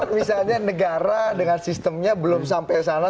misalnya negara dengan sistemnya belum sampai sana